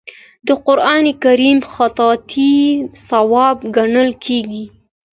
د قران کریم خطاطي ثواب ګڼل کیږي.